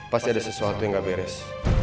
pasti ada sesuatu yang gak beres